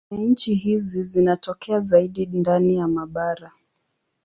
Tabianchi hizi zinatokea zaidi ndani ya mabara.